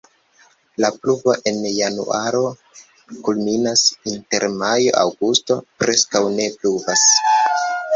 La pluvo en januaro kulminas, inter majo-aŭgusto preskaŭ ne pluvas.